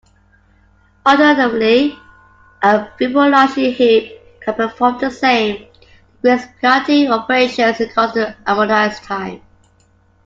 Alternatively, a Fibonacci heap can perform the same decrease-priority operations in constant amortized time.